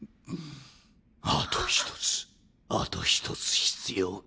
あと一つあと一つ必要だ。